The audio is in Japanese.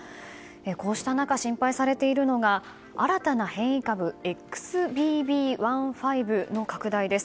こうした中、心配されているのが新たな変異株ＸＢＢ．１．５の拡大です。